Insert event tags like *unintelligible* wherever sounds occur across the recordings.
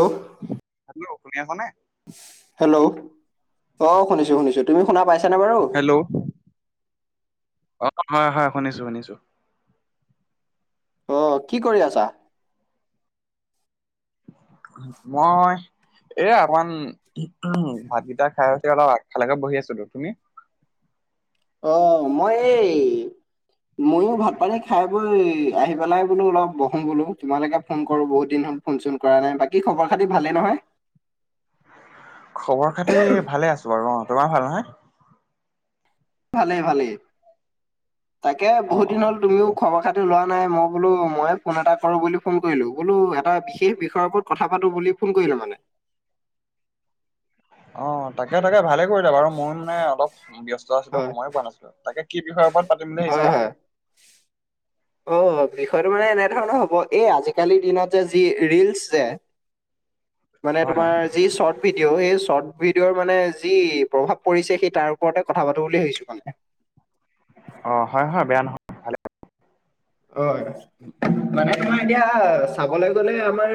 ঔ আপুনি অসমীয়া হয়নে? হেল্ল' অ শুনিছো শুনিছো তুমি শুনা পাইছানে বাৰু? হেল্ল'। অ হয় হয় শুনিছো শুনিছো। অ কি কৰি আছা? মই এ অকমান ভাতকেইটা খাই এতিয়া অলপ আগফালকে বহি আছোতো তুমি? অ মই এই, মইয়ো ভাত পানী খাই বৈ আহি পেলাই বোলো অলপ বহো বোলো। তোমালৈকে ফোন কৰো বহুত দিন হ'ল ফোন চোন কৰা নাই বাকী খবৰ খাতি ভালে নহয়। খবৰ খাতি ভালে আছো বাৰু অ তোমাৰ ভাল নহয়। ভালেই ভালেই, তাকে অ বহুত অ দিন হ'ল তুমিও ঠিকে আছে। খৰ খাতি লোৱা নাই মই বোলো মইে ফোন এটা কৰো বুলি ফোন কৰিলো, বোলো এটা বিশেষ বিষয়ৰ ওপৰত কথা পাতো বুলি ফোন কৰিলো মানে? অ তাকে তাকে ভালে কৰিলে বাৰু মই মানে অলপ। ব্যস্ত আছিলো হয় সময়ো পোৱা নাছিলো, তাকে কি বিষয়ৰ ওপৰত পাতিম বুলি হয় ভাবিছেক? হয় অ বিষয়টো মানে এনেধৰণৰ হ'ব এই আজিকালিৰ দিনত যে যি ৰিলচ যে মানে হয় হয় তোমাৰ যি চৰ্ট ভিডিঅ' সেই চৰ্ট ভিডিঅৰ মানে যি প্ৰভাৱ পৰিছে সেই তাৰ ওপৰতে কথা পাতো বুলি ভাবিছো মানে। অ হয় হয় বেয়া নহয়। হয়। উম। মানে তোমাৰ এতিয়া চাবলৈ গলে আমাৰ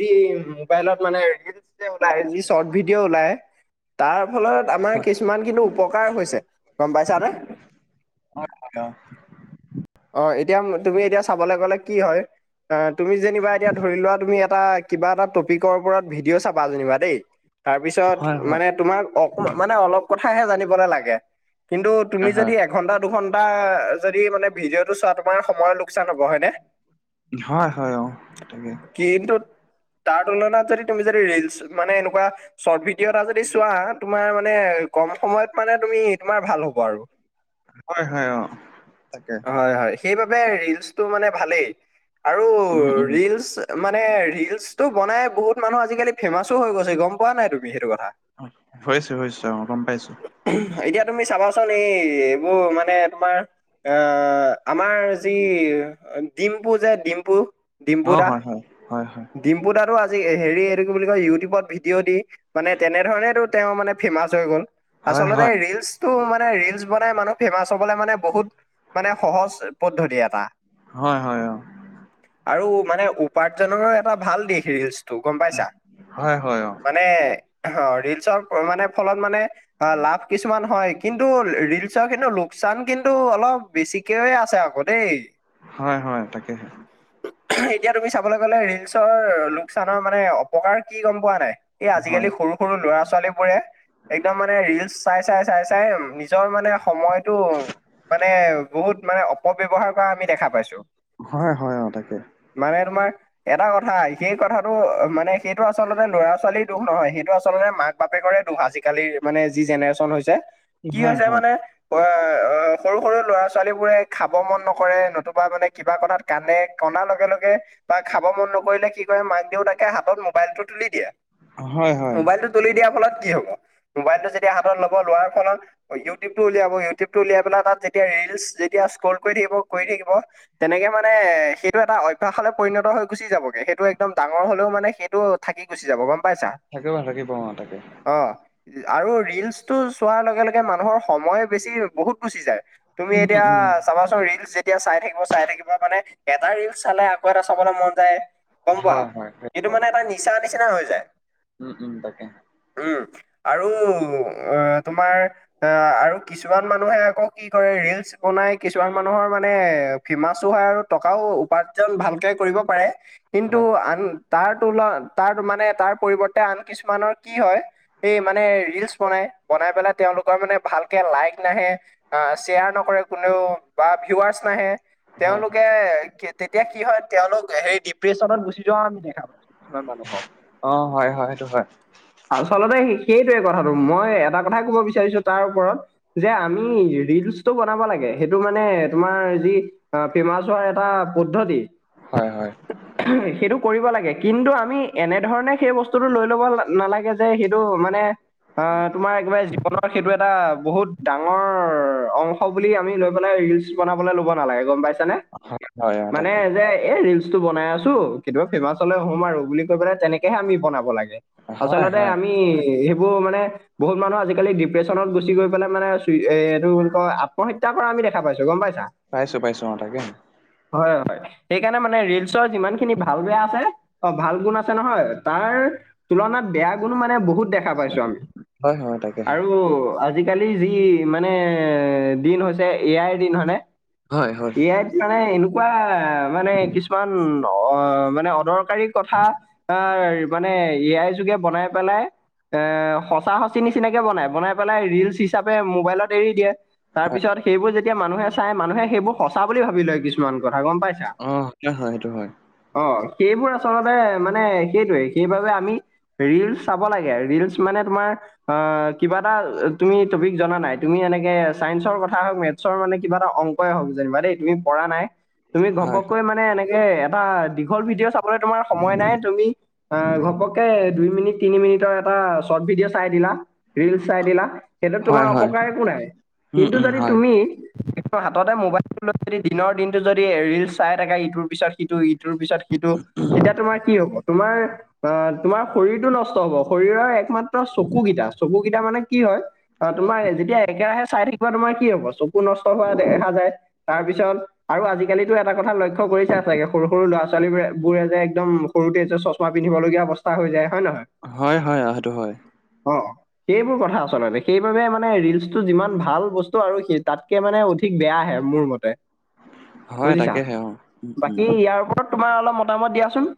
যি মোবাইলত মানে ৰিলচ ওলাই যি চৰ্ট ভিডিঅ ওলাই, তাৰ ফলত আমাৰ হয় কিছুমান কিন্তু উপকাৰ হৈছে গম পাইছা নে? অহ তহতৰ অ এতিয়া তুমি এতিয়া চাবলৈ গলে কি হয়, অ তুমি যেনিবা এতিয়া ধৰি লোৱা তুমি এটা কিবা এটা টপিকৰ ওপৰত ভিডিঅ' চাবা যেনিবা দেই, তাৰপিছত হয় হয়। মানে তোমাক অক মানে অলপ কথাহে জানিব লেলাগে কিন্তু তুমি হয় যদি হয় এক এঘন্টা, দুঘন্টা যদি মানে ভিডিঅ'টো চোৱা তোমাৰ সময়ৰ লোকচান হ'ব হয়নে? হয়, হয়, অ তাকে। কিন্তু তাৰ তুলনাত যদি তুমি যদি ৰিলচ মানে এনেকুৱা চত ভিডিও দ্বিতীয়টা যদি চোৱা তোমাৰ মানে কম সময়ত মানে তুমি তোমাৰ ভাল হ'ব আৰু। হয়, হয়, অ তাকে। হয়, হয় সেইবাবে ৰিলচটো মানে ভালেই আৰু উম উম। ৰিলচ মানে ৰিলচটো বনাই বহুত মানুহ আজিকালি ফেমাচো হৈ গৈছে, গম পোৱা নাই তুমি সেইটো কথা। হৈছে হৈছে অ গম পাইছো। এতিয়া তুমি চাবাচোন এই এইবোৰ মানে তোমাৰ আহ আমাৰ যি ডিম্পু, যে ডিম্পু ডিম্পু অ, দা হয়, হয়, হয়, হয়। ডিম্পু দাতটো আজি হেৰি এইটো কি বুলি কয় ইউটিউবত ভিডিঅ' দি মানে তেনেধৰণেটো তেওঁ মানে ফেমাচ হৈ গ'ল। হয় আচলতে ৰিলচটো মানে ৰিলচ বনাই মানুহ ফেমাছ হ'বলৈ মানে বহুত মানে সহজ পদ্ধতি এটা। হয়, হয়, অ। আৰু মানে উপাৰ্জনৰ এটা ভাল দিশ ৰিলচ। ত গম পাইছা, হয় হয় অ মানে অ ৰিলচৰ মানে ফলত মানে অ লাভ কিছুমান হয় কিন্তু ৰিলচৰ কিন্তু লোকচান কিন্তু অলপ বেছিকেয়ে আছে আকৌ দেই। হয়, হয়, তাকেহে। এতিয়া তুমি চাবলৈ গ'লে ৰিলচৰ লোকচানৰ মানে অপকাৰ কি গম পোৱা নাই? এই হয় আজিকালি সৰু সৰু ল'ৰা ছোৱালী বোৰে একদম মানে ৰিলচ চাই, চাই, চাই, চাই নিজৰ মানে সময়তটো মানে বহুত মানে অপব্যবহাৰ কৰা আমি দেখা পাইছো। হয়, হয়, অ তাকে। মানে তোমাৰ এটা কথা সেই কথাটো মানে সেইটো আচলতে লৰা ছোৱালীৰ দুখ নহয়, সেইটো আচলতে মাক বাপেকৰে দোষ আজিকালি মানে যি জেনেৰেচন হৈছে। কি হয় হৈছে মানে, হয় অ সৰু সৰু ল'ৰা - ছো ছোৱালীবোৰে খাব মন নকৰে নতুবা মানে কিবা কথাত কান্দে, কন্দাৰ লগে লগে বা খাব মন নকৰিলে কি কৰে মাক - দেউতাকে হাতত মোবাইলটো তুলি দিয়ে। অ হয় হয়। মোবাইলটো তুলি দিয়াৰ ফলত কি হ'ব? মোবাইলটো যেতিয়া হাতত লব লোৱাৰ ফলত ইউটিউব টো উলিয়াব, ইউটিউব টো উলিয়াই পেলাই তাত যেতিয়া ৰিলচ যেতিয়া স্কল কৰি থাকিব, কৰি থাকিব তেনেকে মানে সেইটো এটা অভ্যাসলে পৰিণত হৈ গুচি যাবগে, সেইটো একদম ডাঙৰ হলেও মানে সেই টো থাকি গুচি যাব গম পাইছা? থাকিব থাকিব অ তাকে। অ আৰু ৰিলচটো চোৱাৰ লগে লগে মানুহৰ সময় বেছি বহুত গুচি যায়। তুমি উম এতিয়া উম চা চাবাচোন ৰিলচ যেতিয়া চাই থাকিব চাই থাকিব মানে এটা ৰিলচ চালে আকৌ এটা চাবলৈ মন যায়। গম পোৱা? হয় হয় হয় এইটো হয় মানে এটা নিচা নিচিনা হৈ যায়। উম, উম, তাকে। উম। আৰু অ তোমাৰ আহ আৰু কিছুমান মানুহে আকৌ কি কৰে ৰিলচ বনাই, কিছুমান মানুহৰ মানে ফিমাচো হয় আৰু টকাও উপাৰ্জন ভালকে কৰিব পাৰে। কিন্তু হয় আন তাৰ তুল তাৰ মানে তাৰ পৰিৱৰ্তে আন কিছুমানৰ কি হয় এই মানে ৰিলচ বনাই, বনাই পেলাই তেওঁলোকৰ মানে ভালকে লাইক নাহে আহ শ্বেয়াৰ নকৰে, কোনেও বা ভিৱাৰ্চ নাহে, হয় হয় তেওঁলোকে কে তেতিয়া কি হয় তেওঁলোক হেৰি ডিপ্ৰেশ্যনত গুচি যোৱা আমি দেখা পা কিছুমান মানুহ হ অ হয় হয় সেইটো হয় আচলতে সি সেইটোৱে কথাটো, মই এটা কথাই কব বিচাৰিছো তাৰ ওপৰত যে আমি ৰিলছটো ব নাব লাগে সেইটো মানে তোমাৰ যি এ ফেমাচ হোৱাৰ এটা পদ্ধতি। হয় হয়। উহু সেইটো কৰিব লাগে কিন্তু আমি এনেধৰণে সেই বস্তুটো লৈ ল'ব নালাগে যে সেইটো মানে আ তোমাৰ একেবাৰে জীৱনৰ সেইটো এটা বহুত ডাঙৰ অং শ বুলি আমি লৈ পেলাই ৰিলচ বনাবলৈ ল'ব নালাগে গম পাইছা নে? হয় হয় অ মানে তাকে যে এই ৰিলচ টো বনাই আছো, কেতিয়াবা ফেমাচ হলে হ'ম আৰু বুলি কৈ পেলাই তেনেকেহে আমি বনাব লাগে। হয় আচলতে হয় আমি সেইবোৰ মানে বহুত মানুহ আজিকালি ডিপ্ৰেচনত গুচি গৈ পেলাই মানে চি এ এইটো বুলি কয় আ মহত্যা কৰা আমি দেখা পাইছো গম পাইছা? পাইছো পাইছো অ তাকে। হয় হয়। সেইকাৰণে মানে ৰিলচৰ যিমানখিনি ভাল- বেয়া আছে, অ ভাল গুণ আছে নহয় তাৰ তুলনাত বেয়া গুনো বহুত দে খা পাইছো আমি হয় হয় তাকেহে আৰু আজিকালি যি মানে দিন হৈছে এ আইৰ দিন হয় নে? হয় হয় এ আইত মানে এনেকুৱা আ মানে কিছুমান অ মানে অদৰ কাৰী কথা তাৰ মানে এয়াই যে বনাই পেলাই, এ সঁচা - সচি নিচিনাকে বনাই, বনাই পেলাই ৰিলচ হিচাপে মোবাইলত এৰি দিয়ে। হয় তাৰপিছত সেইবোৰ যেতিয়া মানুহে চাই, মানুহে সেইবোৰ সঁচা বুলি ভাবি লয় কিছুমান কথা গম পাই অ সেইটো হয় সেইটো হয়। অ সেইবোৰ আচলতে মানে সেইটোৱে, সেইবাবে আমি ৰিলচ চাব লাগে, ৰিলচ মানে তোমাৰ আ কিবা এটা তুমি টপিক জনা নাই? তুমি এনেকে চাইন্সৰ কথা হওক, মেথছৰ মানে কিবা এটা অংকই হওক, যেনিবা দেই তুমি পঢ়া নাই। তুমি হয় হয় ঘপককৈ মানে এনেকে এটা দীঘল ভিডিঅ চা মানে তোমাৰ সময় নাই, তুমি আ ঘপককে দুই মিনিট তিনি মিনিটৰ এটা শৰ্ট ভিডিঅ' চাই দিলা, ৰিলচ চাই দিলা সেইটোত তোমাৰ হয় হয় অপকাৰ একো নাই। উম কিন্তু উম যদি হয় তুমি হাততে মোবাইলটো লৈ যদি দিনৰ দিনটো যদি ৰিল চাই থাকে ইটোৰ পিছত সিটো ৰিল। ইটোৰ পিছত সিটো তেতিয়া তোমাৰ কি হ'ব তোমাৰ? অ তোমাৰ শৰীৰটো নষ্ট হব, শৰীৰৰ একমাত্ৰ চকুকিটা, চকুকিটা মানে কি হয় আ তোমাৰ যেতিয়া একেৰাহে চাই থাকিবা, তোমাৰ কি হব চকু নষ্ট হোৱা দেখা যায়। তাৰপিছত আৰু আজিকালিতো এটা কথা লক্ষ্য কৰিছা চাগে সৰু- সৰু ল'ৰা - ছোৱালীবোৰে যে একদম সৰুতে যে চচমা পিন্ধিবলগীয়া অৱস্থা হৈ যায় হয় নে নহয়? হয় -হয় অহ, সেইটো হয়। অ, সেইবোৰ কথা আচলতে সেইবাবে মানে ৰিলচটো যিমান ভাল বস্তু আৰু সি তাতকে মানে অধিক বেয়াহে মোৰ মতে। হয় বুজিছা তাকেহে অ উম বাকী ইয়াৰ ওপৰত তোমাৰ অলপ মতামত দিয়াচোন?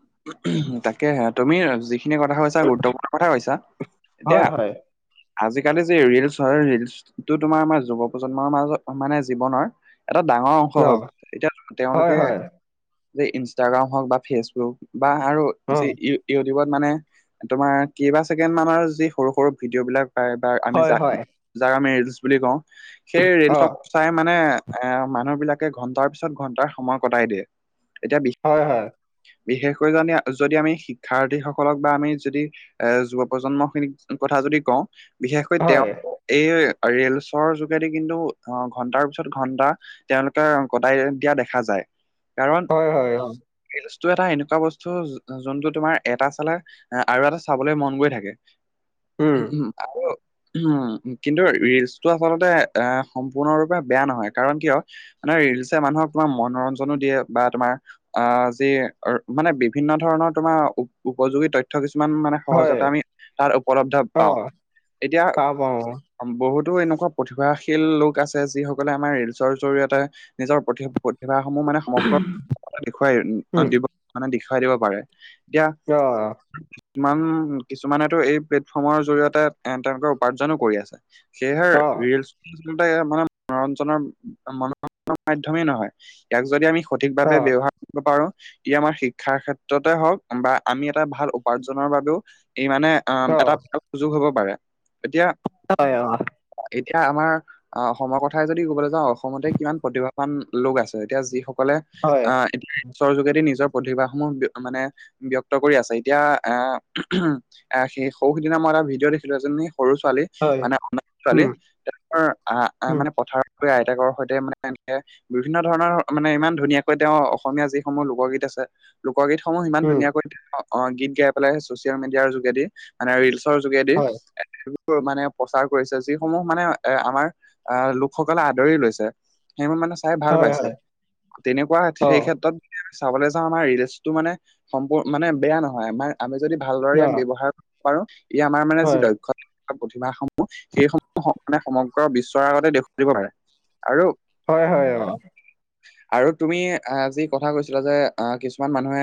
তাকেহে তুমি যিখিনি কথা কৈছা গুৰুত্বপূৰ্ণ কথা কৈছা হয় এতিয়া হয় আজিকালি যে ৰিলচ হয় ৰিলচটো তোমাৰ আমাৰ যুৱ প্ৰজন্মৰ মাজত মানে জীৱনৰ এটা ডাঙৰ অংশ অ হগ এতিয়া হয় তেওঁলোকে হয় যে ইনষ্টাগ্ৰাম হওক বা ফেচবুক বা আৰু অ যি ই ইউটিউবত মানে তোমাৰ কেইবা ছেকেণ্ড মানৰ যি সৰু- সৰু ভিডিঅ' বিলাক পায়। তাৰ আমি হয় হয় যাক- যাক আমি ৰিলচ বুলি কওঁ সেই অ ৰিলচক চাই মানে এ মানুহ বিলাকে ঘণ্টাৰ পিছত ঘন্টাৰ সময় কটাই দিয়ে এতিয়া বিশে হয় -হয় বিশেষকৈ জানি যদি আমি শিক্ষাৰ্থীসকলক বা আমি যদি এ যুৱ প্ৰজন্ম খিনিক কথা যদি কওঁ বিশেষকৈ তেওঁ হয় এই ৰিলচৰ যোগেদি কিন্তু অ, ঘন্টাৰ পিছত ঘন্টা তেওঁ *unintelligible* কটাই দিয়া দেখা যায় কাৰণ হয় হয় অ ৰিলচটো এটা এনেকুৱা বস্তু *unintelligible* যোনটো তোমাৰ এটা চালা আৰু এটা চাবলে মন গৈ থাকে। উম *unintelligible* আৰু উম, কিন্তু ৰিলচটো আচলতে এ সম্পূৰ্ণৰূপে বেয়া নহয় কাৰণ কিয় মানে ৰিলছে মানুহক তোমাৰ মনোৰঞ্জনো দিয়ে বা তোমাৰ আহ যি মানে বি বিভিন্ন ধৰণৰ তোমাৰ উপযোগী তথ্য কিছুমান মানে হয় সহজত আমি তাত উপলব্ধ অ পাওঁ এতিয়া পাওঁ পাওঁ অ সম বহুতো এনেকুৱা প্ৰতিভাশীল লোক আছে যিসকলে আমাৰ ৰিলচৰ জৰিয়তে নিজৰ প্ৰতি- প্ৰতিভাসমূহ মানে সমগ্ৰ দেখুৱাই *unintelligible* উম দিব মানে দেখুৱাই দিব পাৰে এতিয়া কিয়? কিমান কিছুমানেটো এই প্লেটফৰ্মৰ জৰিয়তে এ তেওঁলোকে উপাৰ্জনো কৰি আছে। সেয়েহে অ ৰিলচ মানে মনোৰঞ্জনৰ *unintelligible* মাধ্যমমেই নহয়। ইয়াক যদি আমি সঠিক অ ভাৱে ব্যৱহাৰ কৰিব পাৰো তে আমাৰ শিক শিক্ষাৰ ক্ষেত্ৰতে হওক বা আমি এটা ভাল উপাৰ্জনৰ বাবেও ই মানে অ এটা ভাল সুযোগ হ'ব পাৰে এতিয়া *unintelligible* এতিয়া আমাক আহ, অসমৰ কথাই যদি কবলৈ যাওঁ অসমতে কিমান প্ৰতিভাৱান লোক আছে এতিয়া যিসকলে হয় আহ, ইনফ্লোয়েঞ্চৰ যোগেদি নিজৰ প্ৰতিভাসমূহ মানে ব্যক্ত কৰি আছে এতিয়া এ *unintelligible* এ সেই সৌ সেইদিনা মই এটা ভিডিঅ' দেখিলো এজনী সৰু ছোৱালী হয় মানে উম *unintelligible* আহ উম মানে পথাৰত পৰাই আইতাকৰ সৈতে মানে এনকে বিভিন্ন ধৰণৰ মানে ইমান ধুনীয়াকৈ তেওঁ অসমীয়া যিসমূহ লোকগীত আছে। লোকগীতসমূহ সিমান উম ধুনীয়া কৈ অ', অ', গীত গাই পেলাই ছচিয়েল মিডিয়াৰ যোগেদি মানে ৰিলচৰ যোগেদি হয় *unintelligible* বোৰ মানে প্ৰচাৰ কৰিছে যিসমূহ মানে এ আমাৰ আহ লোকসকলে আদৰি লৈছে। সেইবোৰ মানে চাই ভাল হয় পাইছে হয় তেনেকুৱা অ সেই ক্ষেত্ৰত চাবলৈ ত' আমাৰ ৰিলেচটো মানে সম্প মানে বেয়া নহয় আমি যদি ভালদৰে অ ইয়াক ব্যৱহাৰ পাৰো। ই আমাৰ মানে যি হয় দক্ষতা প্ৰতিভাসমূহ সেইসমূহ সমানে সমগ্ৰ বিশ্বৰ আগতে দেখুৱাই দিব পাৰে, আৰু হয়- হয় অ আৰু তুমি আ যি কথা কৈছিলা যে অ', কিছুমান মানুহে,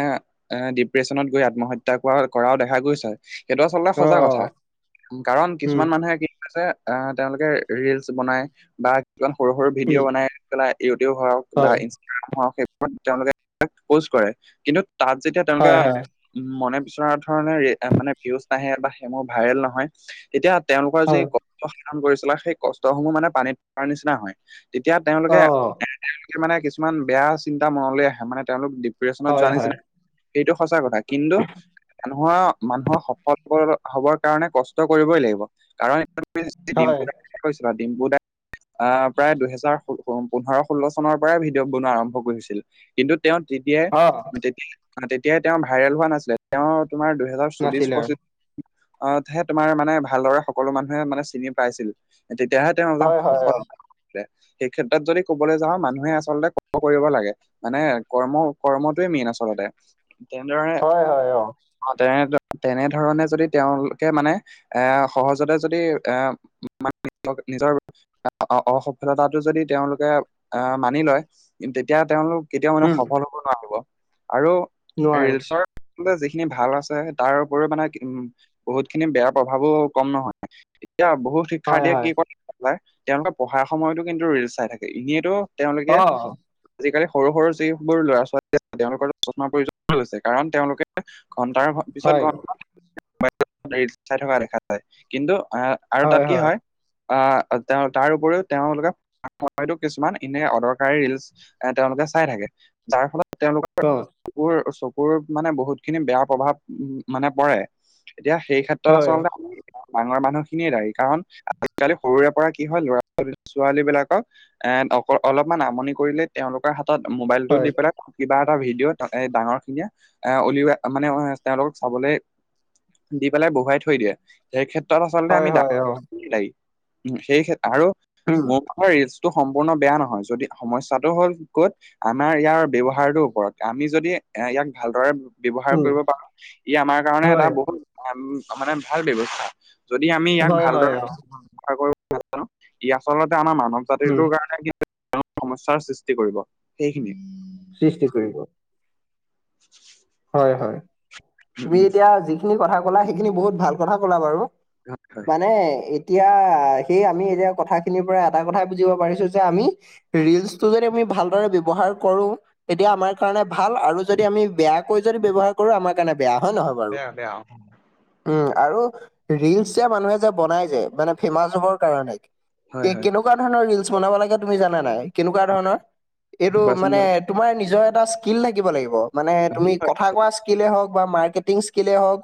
এ ডিপ্ৰেশচনত গৈ আত্মহত্যা কৰা কৰাও দেখা গৈছে। সেইটো আচলতে অ সছা কথা, কাৰণ উম কিছুমান মানুহে ছে আহ তেওঁলোকে ৰিলচ বনাই, বা কিছুমান সৰু সৰু ভিডিঅ' উম বনাই। পেলাই ইউটিউব হওক বা হয় ইনষ্টাগ্ৰাম হওক সেইবোৰ তেওঁলোকে পোষ্ট কৰে, কিন্তু তাত যেতিয়া তেওঁলোকে হয় হয় উম, মনে বিচৰা ধৰণে মানে ভিউজ নাহে বা সেই মোৰ ভাইৰেল নহয়। এতিয়া তেওঁলোকৰ যি হয় কষ্ট সাধন কৰিছিলা সেই কষ্টসমূহ মানে পানীত থকাৰ নিচিনা হয়। তেতিয়া তেওঁলোকে অ এ তেওঁলোকে মানে কিছুমান বেয়া চিন্তা মনলৈ আহে মানে তেওঁলোক দিপ *unintelligible* হয় যোৱা হয় নিচিনা, এইটো সঁচা কথা কিন্তু মানুহৰ-মানুহৰ সফল হবৰ কাৰণে কষ্ট কৰিবই লাগিব কাৰণ হয় ডিম্পু দাই *unintelligible* ডিম্পু দাই আহ প্ৰায় দুহেজাৰ ষুল পোন্ধৰ ষোল্ল চনৰ পৰাই ভিডিঅ' বনোৱা আৰম্ভ কৰিছিল, কিন্তু তেওঁ তেতিয়াই অ তেতিয়াই মানে তেতিয়াই তেওঁ ভাইৰেল হোৱা নাছিলে তেওঁ তোমাৰ দুহেজাৰ চৌবিশ নাছিলে অ পঁচিশ অ', তোমাৰ মানে ভালদৰে সকলো মানুহে মানে চিনি পাইছিল, তেতিয়াহে তেওঁ হয় হয় অ সফল সেই ক্ষেত্ৰত যদি কবলৈ যাওঁ মানুহে আচলতে *unintelligible* কৰিব লাগে মানে কৰ্ম-কৰ্মটোৱে মেইন আচলতে, তেনেদৰে হয় হয় অ', তেনে তেনেধৰণে যদি তেওঁলোকে মানে এ সহজতে যদি এ, *unintelligible* অ', অসফলতাটো যদি তেওঁলোকে আহ মানি লয় তেতিয়া তেওঁলোক কেতিয়াও মানে উম সফল হ'ব নোৱাৰিব, আৰু নোৱাৰে ৰিলছৰ যিখিনি ভাল আছে তাৰ উপৰিও মানে *unintelligible* বহুতখিনি বেয়া প্ৰভাৱো কম নহয়, এতিয়া বহুত শিক্ষাৰ হয় দিয়ে হয় *unintelligible* তেওঁলোকে পঢ়াৰ সময়তো কিন্তু ৰিল চাই থাকে এনেতো তেওঁলোকে, অ আজিকালি সৰু সৰু যিবোৰ ল'ৰা ছোৱালীয়ে *unintelligible* কাৰণ তেওঁলোকে ঘন্টাৰ পিছত হয় ঘন্টা ৰীলছ চাই থকা দেখা যায়, কিন্তু আহ আৰু তাত কি হয় আহ তেওঁ তাৰ উপৰিও তেওঁলোকে, হয়তো কিছুমান এনে অদৰকাৰী ৰিলচ এ তেওঁলোকে চাই থাকে, যাৰ ফলত তেওঁলোকৰ *unintelligible* চকুৰ চকুৰ মানে বহুতখিনি বেয়া প্ৰভাৱ মানে পৰে এতিয়া সেই ক্ষেত ত্ৰত হয় আচলতে ডাঙৰ মানুহ খিনিয়ে দায়ী, কাৰণ আজিকালি সৰুৰে পৰা কি হয় ল'ৰা ছোৱাল ছোৱালী বিলাকক এণ্ড অকল অলপমান আমনি কৰিলে তেওঁলোকৰ হাতত মোবাইলটো হয় দি পেলাই কিবা এটা ভিডিঅ'ত এ ডাঙৰখিনিয়ে এ উলিওৱা মানে তেওঁলোকক চাবলে। দি পেলাই বহুৱাই থৈ দিয়ে। সেই ক্ষেত্ৰত আচলতে হয় আমি হয় ডাঙৰ অ দায়ী আৰু উম মোৰ ৰিলচটো সম্পূৰ্ণ বেয়া নহয় যদি সমস্যাটো হ'ল কত আমি আমাৰ ইয়াৰ ব্যৱহাৰটোৰ ওপৰত আমি যদি এ ইয়াক ভালদৰে ব্যৱহাৰ উম কৰিব পাৰো, ই আমাৰ কাৰণে এটা হয় বহুত, এম মানে ভাল ব্যবস্থা। যদি আমি ইয়াক হয় হয় ভালদৰে, অ ব্যৱহাৰ কৰিব পাৰো ই আচলতে আমাৰ মানৱ উম জাতিটোৰ কাৰণে সমস্যাৰ সৃষ্টি কৰিব সেইখিনি। সৃষ্টি কৰিব। *unintelligible* হয় হয়, উম তুমি উম এতিয়া যিখিনি কথা কলা সেইখিনি বহুত ভাল কথা ক'লা বাৰু। হয় হয় মানে এই- এতিয়া সেই আমি এতিয়া কথাখিনিৰ পৰা এটা কথাই বুজিব পাৰিছো যে আমি- ৰিলচটো যদি আমি ভালদৰে ব্যৱহাৰ কৰো, তেতিয়া আমাৰ কাৰণে ভাল আৰু যদি আমি বেয়াকৈ যদি ব্যৱহাৰ *unintelligible* আমাৰ কাৰণে বেয়া হয় নহয় বাৰু? বেয়া বেয়া। উম, আৰু, ৰিলচ যে মানুহে যে বনাই যে মানে ফেমাচ হবৰ কাৰণে হয় এ হয় কেনেকোৱা ধৰণৰ ৰিলচ বনাব লাগে তুমি জানা নাই কেনেকোৱা ধৰণৰ এইটো কোৱাচোন মানে তোমাৰ নিজৰ এটা স্কিল থাকিব লাগিব মানে তুমি বাৰু কথা কোৱা স্কিলেই হওক বা মাৰ্কেটিং স্কিলেই হওক।